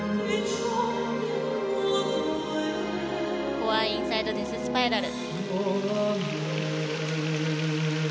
フォアインサイドデススパイラル。